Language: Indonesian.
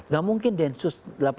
gak mungkin densus delapan puluh delapan